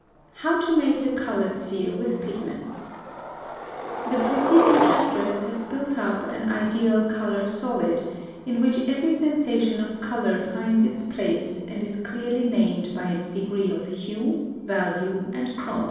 +How to make a color sphere with pigments.+ (102) The preceding chapters have built up an ideal color solid, in which every sensation of color finds its place and is clearly named by its degree of hue, value, and chroma.